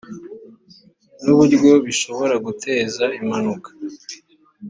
n uburyo bishobora guteza impanuka